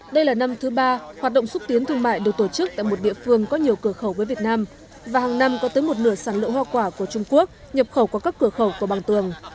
đây là năm thứ ba hoạt động xúc tiến thương mại được tổ chức tại một địa phương có nhiều cửa khẩu với việt nam và hàng năm có tới một nửa sản lượng hoa quả của trung quốc nhập khẩu qua các cửa khẩu của bằng tường